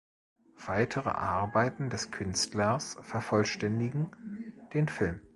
Weitere Arbeiten des Künstlers vervollständigen den Film.